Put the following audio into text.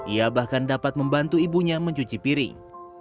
ia bahkan dapat membantu ibunya mencuci piring